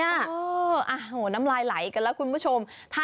โอ้โหน้ำลายไหลกันแล้วคุณผู้ชม